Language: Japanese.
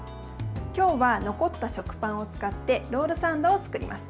今日は残った食パンを使ってロールサンドを作ります。